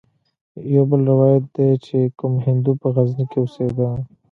يو بل روايت ديه چې کوم هندو په غزني کښې اوسېده.